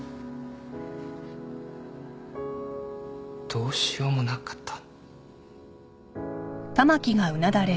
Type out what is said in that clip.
どうしようもなかった。